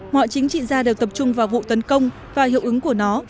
mọi chính trị gia đều tập trung vào vụ tấn công và hiệu ứng của nó